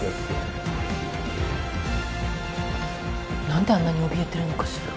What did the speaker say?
何であんなにおびえてるのかしら。